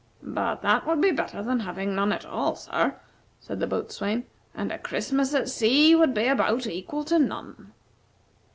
"But that would be better than having none at all, sir," said the boatswain, "and a Christmas at sea would be about equal to none."